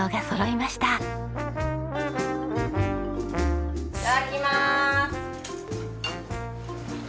いただきます。